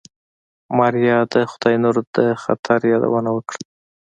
ماريا د خداينور د خطر يادونه وکړه.